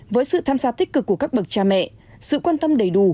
với sự tham gia tích cực của các bậc cha mẹ sự quan tâm đầy đủ